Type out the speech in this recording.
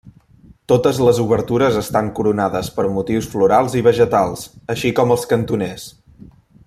Totes les obertures estan coronades per motius florals i vegetals així com els cantoners.